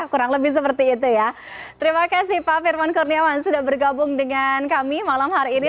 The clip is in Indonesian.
kurang lebih seperti itu ya terima kasih pak firman kurniawan sudah bergabung dengan kami malam hari ini